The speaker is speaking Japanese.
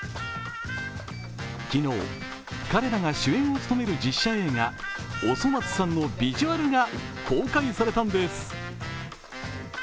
昨日、彼らが主演を務める実写映画「おそ松さん」のビジュアルが公開されたんです。